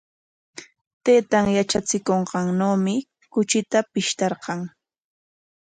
Taytan yatsikunqannawmi kuchita pishtarqan.